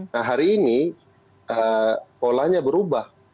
nah hari ini polanya berubah